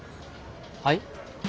はい？